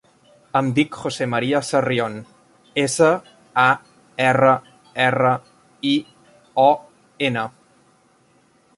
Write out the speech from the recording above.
Em dic José maria Sarrion: essa, a, erra, erra, i, o, ena.